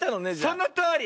そのとおり。